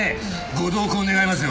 ご同行願いますよ。